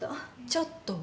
ちょっと？